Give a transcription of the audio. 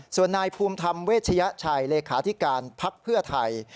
ส่วนนายภูมิธรรมเวชยชัยเลขาธิการภักดิ์เพื่อไทย